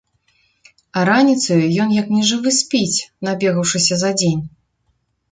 А раніцаю ён як нежывы спіць, набегаўшыся за дзень.